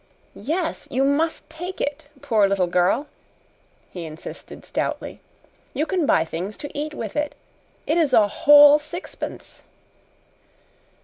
"Yes, you must take it, poor little girl!" he insisted stoutly. "You can buy things to eat with it. It is a whole sixpence!"